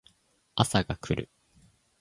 朝が来る